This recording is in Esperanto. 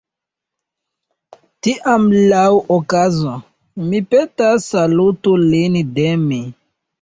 Tiam, laŭ okazo, mi petas, salutu lin de mi.